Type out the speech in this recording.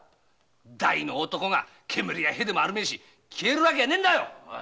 大の男が煙や屁でもあるめえし消えるわけねえんだよ！